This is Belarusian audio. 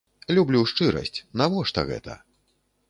Люблю шчырасць, навошта гэта?